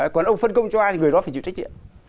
còn ông phân công cho ai thì người đó phải chịu trách nhiệm